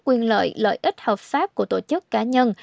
quyền lợi lợi ích hợp pháp của tổ chức cá nhân